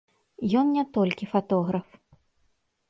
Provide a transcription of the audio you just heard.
Ён не толькі фатограф.